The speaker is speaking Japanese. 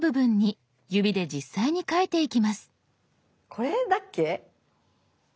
これだっけ？